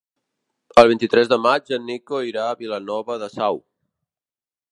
El vint-i-tres de maig en Nico irà a Vilanova de Sau.